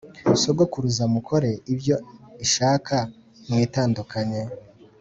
sogokuruza mukore ibyo ishaka mwitandukanye